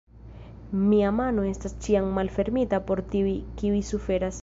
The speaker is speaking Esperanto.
Mia mano estas ĉiam malfermita por tiuj, kiuj suferas!